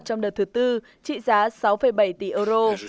trong đợt thứ tư trị giá sáu bảy tỷ euro